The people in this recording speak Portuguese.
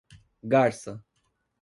Garça